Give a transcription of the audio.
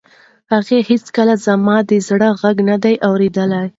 هغې هیڅکله زما د زړه غږ و نه اورېد.